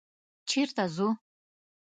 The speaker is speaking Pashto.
_چېرته ځو؟